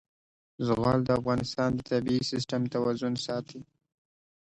زغال د افغانستان د طبعي سیسټم توازن ساتي.